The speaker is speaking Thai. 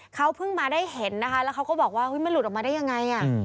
เขาเพิ่งมาได้เห็นนะคะแล้วเขาก็บอกว่ามันหลุดออกมาได้ยังไง